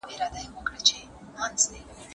که وخت وي، زده کړه کوم؟!